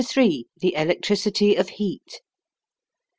THE ELECTRICITY OF HEAT.